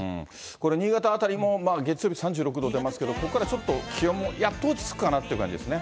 これ、新潟辺りも、月曜日３６度出てますけど、ここからちょっと気温もやっと落ち着くかなという感じですね。